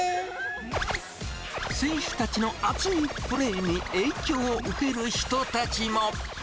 選手たちの熱いプレーに影響を受ける人たちも。